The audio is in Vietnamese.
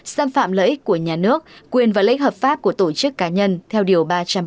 xâm phạm lợi ích của nhà nước quyền và lấy hợp pháp của tổ chức cá nhân theo điều ba trăm ba mươi một